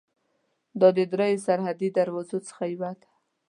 دا د درېیو سرحدي دروازو څخه یوه ده.